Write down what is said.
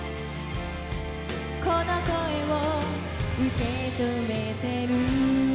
「この声を受けとめている」